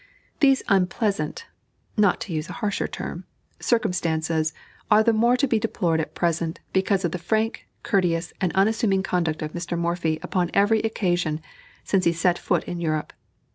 These unpleasant (not to use a harsher term) circumstances are the more to be deplored at present because of the frank, courteous, and unassuming conduct of Mr. Morphy upon every occasion since he set foot in Europe.